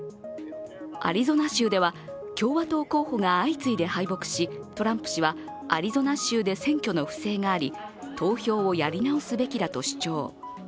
アリゾナ州では、共和党候補が相次いで敗北し、トランプ氏はアリゾナ州で選挙の不正があり投票をやり直すべきだと主張。